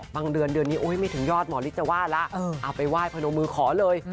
เดือนเดือนนี้ไม่ถึงยอดหมอฤทธิจะว่าแล้วเอาไปไหว้พนมมือขอเลย